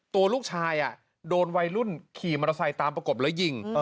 ตัวลูกชายโดนวัยรุ่นขี่มอเตอร์ไซค์ตามประกบแล้วยิง